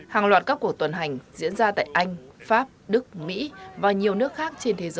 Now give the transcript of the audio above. hàng loạt các cuộc tuần hành diễn ra tại anh pháp đức mỹ và nhiều nước khác trên thế giới kêu gọi ngừng bắn